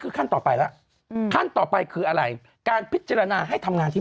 คือขั้นต่อไปแล้วอืมขั้นต่อไปคืออะไรการพิจารณาให้ทำงานที่